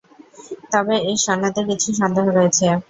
তবে এর সনদে কিছু সন্দেহ রয়েছে।